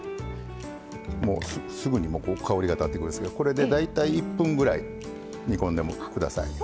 もうすぐに香りが立ってくるんですけどこれで大体１分ぐらい煮込んで下さい。